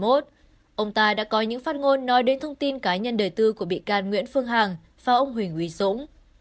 ông ta đã có những phát ngôn nói đến thông tin cá nhân đời tư của bị can nguyễn phương hằng và ông huỳnh uy dũng